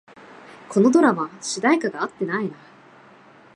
このドラマ、主題歌が合ってないな